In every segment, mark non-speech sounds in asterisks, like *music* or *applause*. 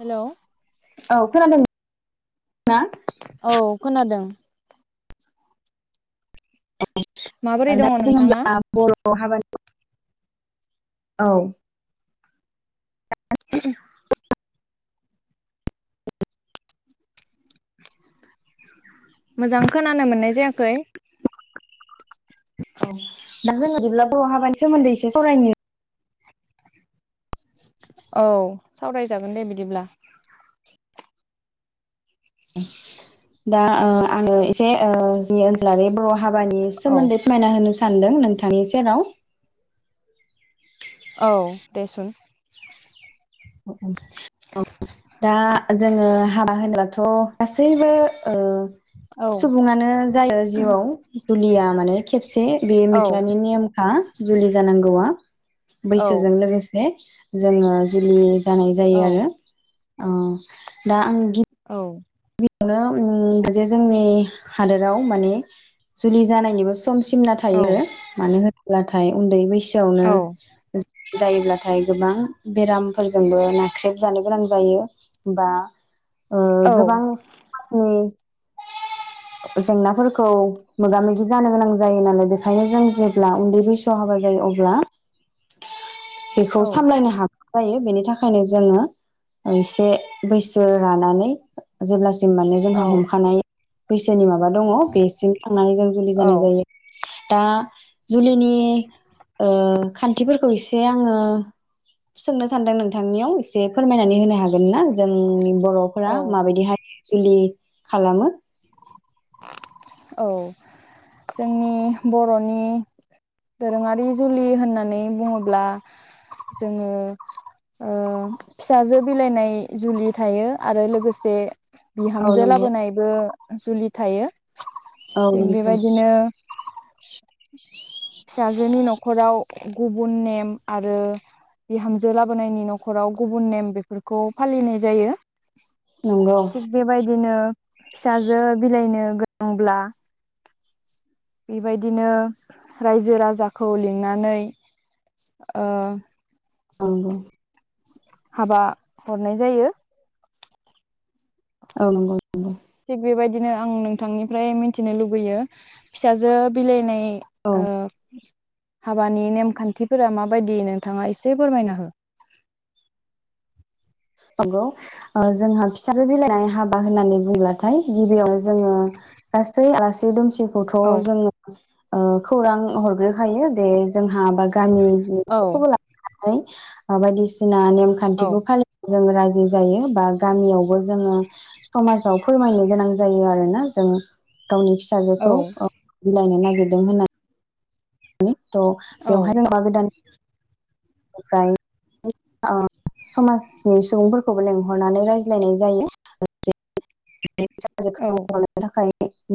Hello औ खोनादों ना औ खोनादों माबोरै ए दङ दा जों नोंथाङा होमब्ला बर' हाबानि औ *inaudible* मोजां खोनानो मोननाय जायाखै औ दा जों बिब्ला बराव हाबानि सोमोन्दै एसे सावरायनि औ सावरायजागोन दे बिदिब्ला । *inaudible* दा आङो एसे ओ जोंनि ओसोला बे बर'। हाबानि सोमोन्दै फोरमायना होनो सो सानदों नोंथांनि सेराव । औ दे सुन दा जोङो हाबा होनोबथ' गासैबो औ सुबुङानो जायो जिउआव जुलिया माने खेबसे बे औ मिथिलानि नेमखा जुलि जानांगौआ । औ बैसोजों लोगोसे जोङो बि जानाय औ जायो आरो औ दा आं औ नो उम जे जोंनि हादोराव माने जुलि जानायनिबो समसिमना थायो मानो होनो ब्लाथाय उन्दै बैसो सोआवनो जायोब्लाथाय गोबां बेरामफोरजोंबो नाख्रेबजानो गोनां जायो बा ओ। औ गोबां समनि जेंनाफोरखौ मोगा मोगि जानो गोनां जायो नालाय बेखायनो जों जेब्ला उन्दै बैसोआव हाबा जायो अब्ला *inaudible* बेखौ सामलायनो हाग जायो बेनि थाखायनो जोङो एसे बैसो रानानै जेब्ला जों माने जोंहा हमखानाय बैसोनि माबा दङ' बेसिम थांनानै जों जुलि औ जानाय जायो। दा जुलिनि ओ खान्थिफोरखौ इसे आङो सोंनो सानदों नोंथांनियाव इसे फोरमायनानै होनो हागोन ना जोंनि बर'फोरा माबायदि हाय बेनि जुलि खालामो? औ जोंनि बर'नि दोरोङारि जुलि होननानै बुङोब्ला जोङो ओ फिसाजो बिलाइनाय जुलि थायो आरो लोगोसे औ बिहामजो नंगौ लाबोनायबो जुलि थायो। औ थिग नंगौ बेबायदिनो फिसाजोनि न'खराव गुबुन नेम आरो बिहामजो लाबोनायनि न'खराव गुबुन नेम बेफोरखौ फालिनाय जायो। नंगौ थिग बेबायदिनो फिसाजो बिलाइनो गोनांब्ला बेबायदिनो रायजो राजाखौ लिंनानै ओ नंगौ। हाबा हरनाय जायो। औ नंगौ नंगौ। थिग बेबायदिनो आं नोंथांनिफ्राय मिथिनो लुबैयो फिसाजो बिलाइनाय औ ओ हाबानि नेमखान्थिफोरा माबायदि नोंथाङा एसे फोरमायना हो। नंगौ ओ जोंहा फिसाजो बिलाइनाय हाबा होननानै बुंब्लाथाय गिबियावनो जोङो गासै आलास सि दोमसि औ खौथ' जोङो ओ खौरां हरग्रोखायो दे जों हा बा गामि औ *unintelligible* फाय बायदिसिन ना औ नेमखान्थिखौ फालि जों राजि जायो बा गामियावबो जोङो समाजाव फोरमायनो गोनां जायो आरोना जों। गावनि फिसाजोखौ औ बिलायनो नागिर गिरदों होनना *unintelligible* थ' बेवहाय जों मा गोदान ओमफ्राय अ। समाजनि सुबुंफोर खौबो लेंंहरनानै रायज्लायनाय जायो। *unintelligible* जि औ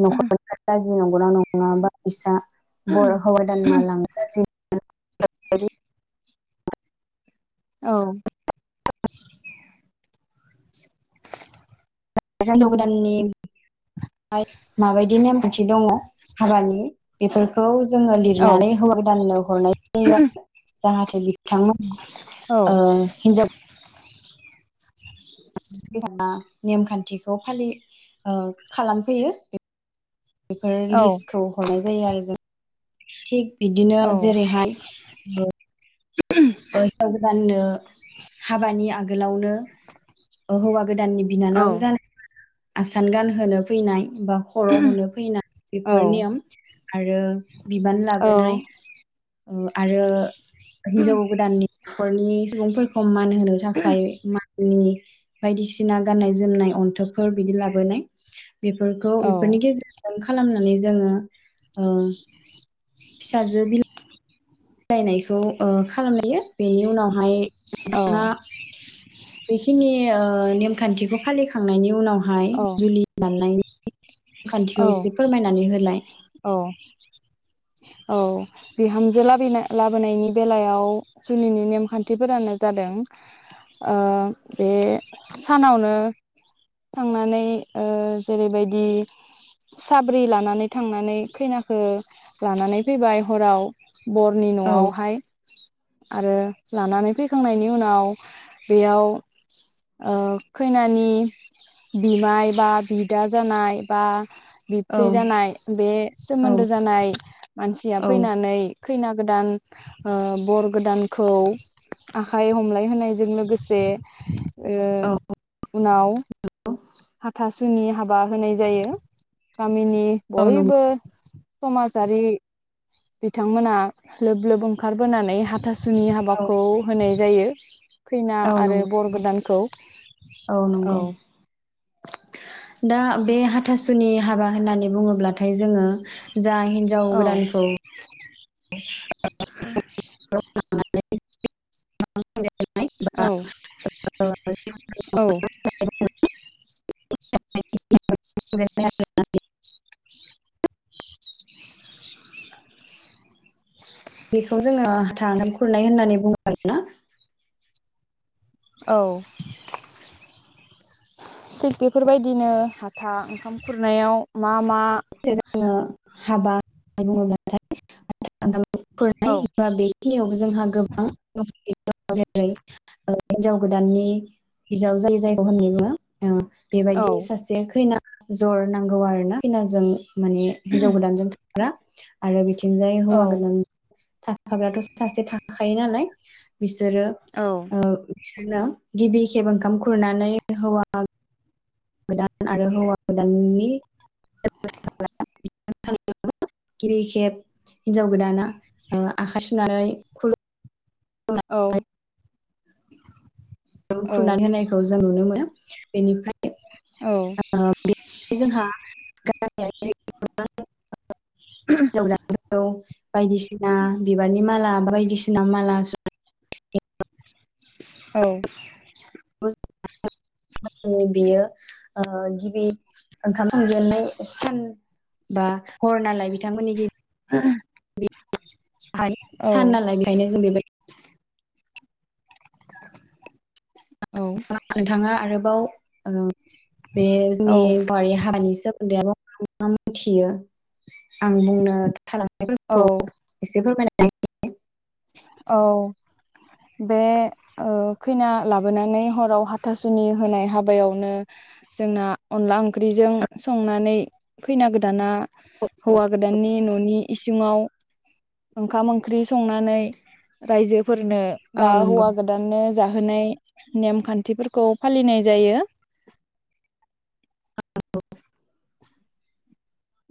नंगौना नङा बागैसा बर' हौवा दानना *unintelligible* *unintelligible* औ। हिन्जाव गोदाननि माबायदि नेमखान्थि दङ हाबानि बेफोरखौ जोङो औ लिरनानै होवा गोदाननो हरनाय जायो आरो। जाहाथे बि थां औ ओ हिनजाव *unintelligible* नेमखान्थिखौ फालि ओ खालामफैयो बेफोर लिस्टखौ हरनाय जायो आरो जों थिग बिदिनो औ जेरैहाय ओ जाव गोदाननो हाबानि आ आगोलावनो ओ हौवा गोदाननि औ बिनानाव जानाय आसान गानहोनो फैनाय बा खर' हनो फैनाय औ बेफोर नियम आरो बिबान लाबोनाय ओ आरो हिनजाव गोदाननि न'खरनि सुबुंफोरखौ मान होनो थाखाय माननि बायदिसिना गाननाय जोमनाय अन्थोबफोर बिदि लाबोनाय। बेफोरखौ औ बेफोरनि गेजेरजों खालामनो। ने जोङो। उम दायनायखौ ओ खालामजायो बेनि उनावहाय औ *unintelligible* यिओ नेमखान्थिखौ फालिखांनायनि उनावहाय जुलि दाननाय *unintelligible* खान्थिखौ एसे औ फोरमायनानै होलाय। औ बिहामजो लाब लाबोनायनि बेलायाव जुलिनि नेमखान्थिफोरानो जादों बे सानावनो थांनानै ओ जेरैबायदि। साब्रै लानानै थांनानै खैनाखौ लानानै फैबाय हराव बरनि औ न'आवहाय आरो लानानै फैखांनायनि उनाव बेयाव ओ खैनानि बिमाय बा बिदा जानाय बा बिबथै औ जानाय बे औ सोमोन्दो जानाय मानसिया औ फैनानै खैना गोदान ओ बर गोदानखौ आखाइ हमलाय होनायजों लोगोसे ओ औ उनाव हाथासुनि हाबा होनाय जायो गा मिनि औ नंगौ बयबो समाजारि बिथांमोना लोब लोब ओंखारबोनानै थासुनि औ हाबाखौ होनाय जायो। फैना औ आरो बर नंगौ गोदानखौ औ दा बे हाथासु आसुनि हाबा होननानै बुङोब्लाथाय जोङो जा हिन्जाव गोदानखौ आरो औ *inaudible* औ *unintelligible* बेखौ जोङो थांगोन खुरनाय होननानै बुङो आरो ना औ थिग बेफोरबायदिनो हाथा ओंखाम खुरनायाव मा मा *unintelligible* जे जोङो हाबा *unintelligible* औ *unintelligible* बेखिनियावबो जोंहा गोबां दङ जेरै ओ हिनजाव गोदाननि बिजावजालि जायख होनना बुङो औ औ बेबायदि सासे खैना जर नांगौ आरो ना खैना जों माने हिन्जाव गोदानजों *unintelligible* आरो बिथिं जाय औ हौवा गोदान थाफाग्राथ' सासे थाखायो नालाय बिसोरो औ ओ बिसोरनो गिबि खेब ओंखाम खुरनानै हौवा गोदान आरो हौवा गोदाननि *unintelligible* गिबि खेब हिन्जाव गोदाना ओ आखाय सुनानै खुलुम औ औ खुरनानै होनायखौ जों नुनो मोनो। बेनिफ्राय औ *unintelligible* ओ बे जोंहा *unintelligible* हिनजाव गोदानखौ बायदिसिना बिबारनि माला बायदिसिना माला *unintelligible* औ *unintelligible* बियो ओ गिबि ओंखाम थांजेननाय सान बा हर नालाय बिथांमोननि गि *inaudible* *unintelligible* सान नालाय बेखायनो जों बेबायदि औ *unintelligible* नोंथाङा आरो बाव ओ बे औ जोंनि बवारि हानि सोमोन्दै आरोबाव मा मा मोनथियो? आं बुंनो औ थालांनायफोरखौ एसे फोरमायना *unintelligible* औ बे ओ खैना लाबोनानै हराव हाथासुनि होनाय हाबायावनो जोंना अनला ओंख्रिजों संनानै खैना गोदाना हौवा गोदाननि न'नि इसिङाव ओंखाम ओंख्रि संनानै रायजो फोरनो औ बा नंगौ हौवा गोदाननो जाहोनाय नेमखान्थिफोरखौ फालिनाय जायो।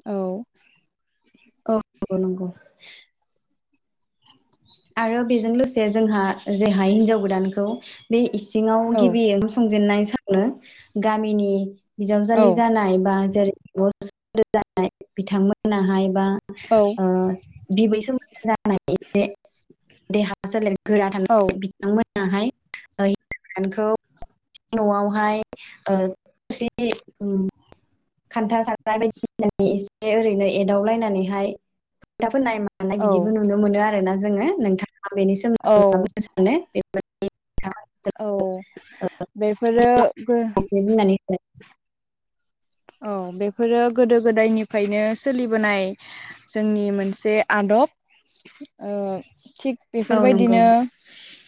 औ औ नंगौ नंगौ। आरो बेजों लोगोसे जोंहा जेहाय हिनजाव गोदानखौ बे इसिङाव गिबि ओंखाम संजेननाय सानो गामिनि औ बिजावजालि जानाय बा *unintelligible* जानाय बिथांमोनाहाय बा औ ओ बिबै सोमोन्दो जानाय *unintelligible* देहा सोलेर गोरा थानाय बिथांमोनाहाय ओ हिनजाव‌ गोदानखौ न'आवहाय ओ थोरसि, खान्था, साराइ बायदिसिना एसे ओरैनो एदावलायनानैहाय फोथा फोन्नाय मा नाय औ बिदिबो नुनो मोनो आरो। *unintelligible* जोङो नोंथां। आं बेनि सोमोन्दै औ बुंलांनो सानो‌ *unintelligible* औ बेफोरो एसे बुंनानै औ बेफोरो गोदो गोदायनिफ्रायनो सोलिबोनाय जोंनि मोनसे आदब ओ थिग होलाय औ नंगौ बेफोरबायदिनो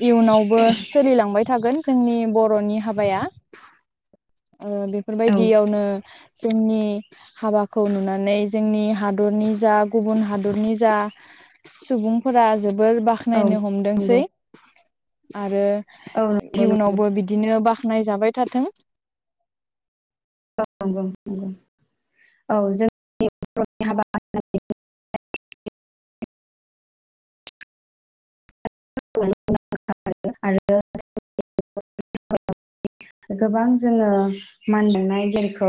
इयुनावबो सोलिलांबाय थागोन। जोंनि ब र'नि हाबाया। ओ औ बेफोरबायदियावनो जोंनि हाबाखौ नुनानै जोंनि हादरनि जा गुबुन हादरनि जा सुबुंफोरा जो बोर औ बाखनायनो हमदोंसै। नंगौ आरो औ नंगौ नंगौ इयुनावबो बिदिनो बाख नाय जाबाय थाथों। नंगौ-नंगौ औ जोंनि *inaudible* *inaudible* आरो *inaudible* गोबां जोङो मानदांनाय जोंखौ